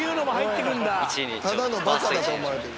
ただのバカだと思われてる。